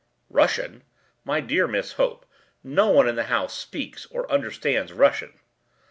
” “Russian? My dear Miss Hope, no one in the house speaks or understands Russian.